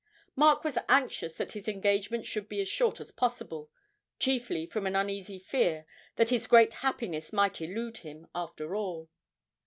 Mark was anxious that his engagement should be as short as possible, chiefly from an uneasy fear that his great happiness might elude him after all.